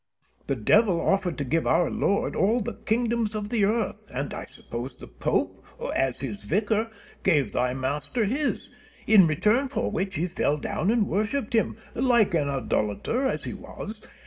Penn. The devil offered to give our Lord all the kingdoms of the earth, and I suppose the Pope, as his vicar, gave thy master this; in return for which he fell down and worshipped him, like an idolater as he was.